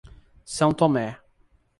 São Tomé